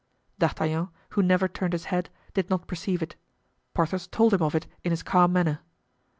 D'Artagnan, who never turned his head, did not perceive it. Porthos told him of it in his calm manner.